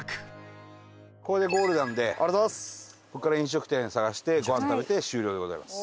これでゴールなのでここから飲食店探してごはん食べて終了でございます。